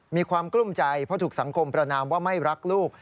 มีความกลุ้มใจเพราะถูกสังคมประนามว่าไม่รักลูก